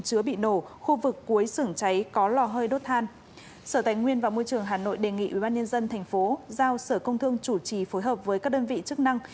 ubnd tp giao sở công thương chủ trì phối hợp với các đơn vị chức năng